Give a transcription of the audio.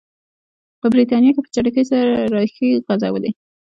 په برېټانیا کې په چټکۍ ریښې غځولې.